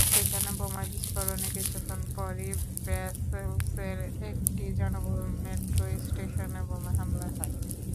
সেখানে বোমা বিস্ফোরণের কিছুক্ষণ পরই ব্রাসেলসের একটি জনবহুল মেট্রোস্টেশনে বোমা হামলা হয়।